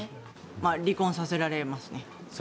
離婚させられますね。